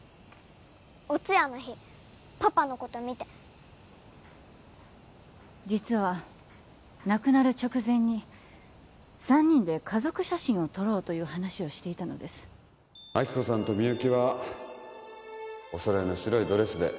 お通夜の日パパのこと見て実は亡くなる直前に３人で家族写真を撮ろうという話をしていたのです亜希子さんとみゆきはおそろいの白いドレスで